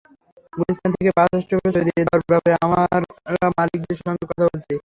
গুলিস্তান থেকে bus stoppage সরিয়ে দেওয়ার ব্যাপারে আমরা মালিকদের সঙ্গে কথা বলেছি।